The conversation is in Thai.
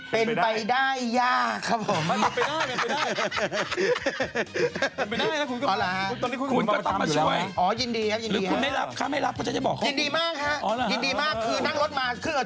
เป็นไปได้ยากครับผม